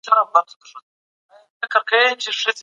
د باطل په وړاندې سر مه ټیټوئ.